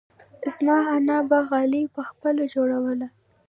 زما انا به غالۍ پخپله جوړوله.